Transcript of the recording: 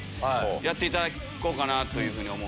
やっていただこうかなと思うんです。